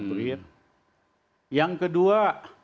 korea yang kedua